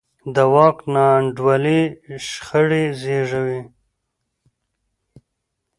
د واک ناانډولي شخړې زېږوي